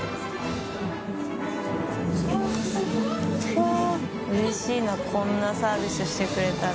うれしいなこんなサービスしてくれたら。